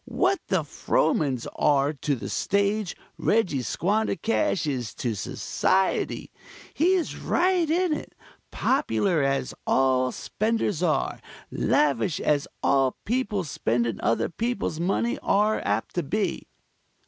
What the Frohmans are to the stage, Reggie Squandercash is to Society. He's right in it; popular as all spenders are; lavish as all people spending other people's money are apt to be.